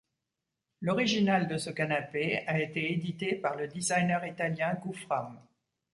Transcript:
L’original de ce canapé a été édité par le designer italien Gufram.